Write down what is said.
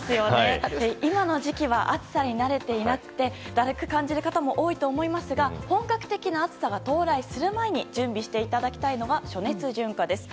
今の時期は暑さに慣れていなくてだるく感じる方も多いと思いますが本格的な暑さが到来する前に準備していただきたいのが暑熱順化です。